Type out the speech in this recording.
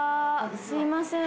すいません。